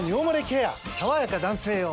さわやか男性用」